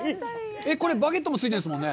これ、バゲットもついてるんですもんね？